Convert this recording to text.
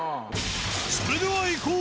それではいこう。